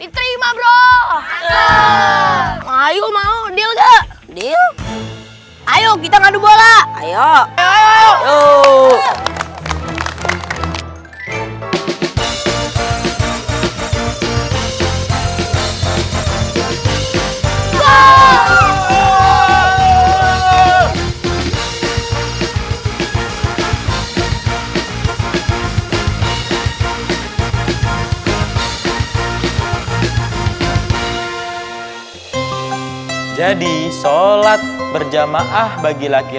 tantangan diterima bro